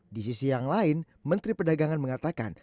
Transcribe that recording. di sisi yang lain menteri perdagangan mengatakan